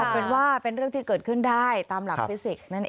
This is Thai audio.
เป็นว่าเป็นเรื่องที่เกิดขึ้นได้ตามหลักฟิสิกส์นั่นเอง